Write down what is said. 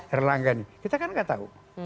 erlangga ini kita kan gak tahu